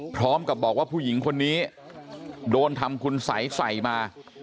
พร้อมกับบอกว่าผู้หญิงคนนี้โดนทำคุณสัยใส่มา